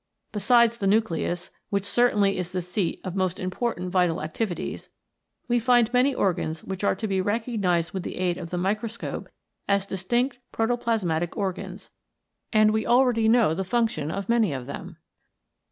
Besides the nucleus, which certainly is the seat of most important vital activities, we find many organs which are to be recognised with the aid of the microscope as distinct protoplasmatic organs, and we already know the functions of many of them.